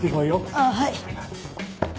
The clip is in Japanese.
ああはい。